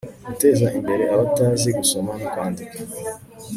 Guteza imbere abatazi gusoma no kwandika